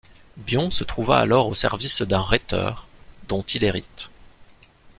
Bion se trouva alors au service d'un rhéteur, dont il hérite.